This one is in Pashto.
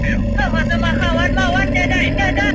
هره ورځ متوازن خواړه وخورئ.